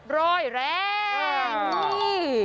รอยแรงนี่